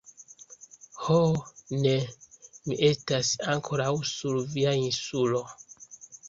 Ho ne, mi estas ankoraŭ sur via Insulo...